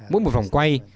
mỗi một vòng quay